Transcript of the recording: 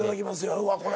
うわっこれ。